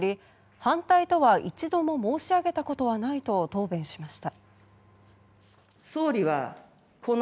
反対とは一度も申し上げたことはないと答弁しました。